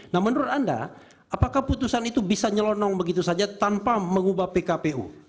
nah menurut anda apakah putusan itu bisa nyelonong begitu saja tanpa mengubah pkpu